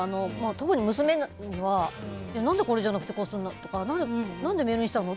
特に娘には、何でこれじゃなくてこうするの？とか何でメールにしたの？